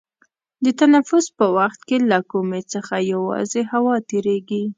د تنفس په وخت کې له کومي څخه یوازې هوا تیرېږي.